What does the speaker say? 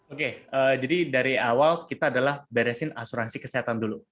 oke jadi dari awal kita adalah beresin asuransi kesehatan dulu